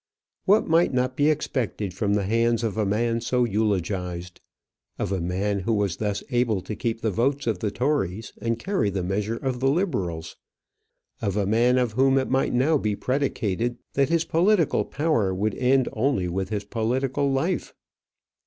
What might not be expected from the hands of a man so eulogized? of a man who was thus able to keep the votes of the Tories and carry the measures of the Liberals? of a man of whom it might now be predicated that his political power would end only with his political life?